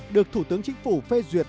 được thủ tướng chính phủ phê duyệt